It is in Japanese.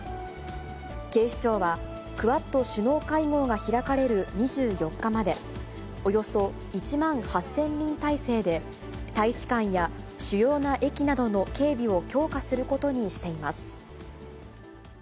警視庁は、クアッド首脳会合が開かれる２４日まで、およそ１万８０００人態勢で、大使館や主要な駅などの警備を強化することにしています。